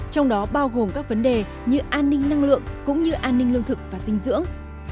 trong đó bao gồm các vấn đề như an ninh năng lượng cũng như an ninh lương thực và sinh dưỡng